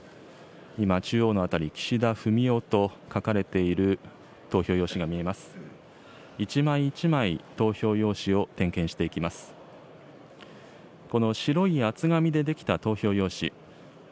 今、中央の辺り、岸田文雄と書かれている投票用紙が見えます。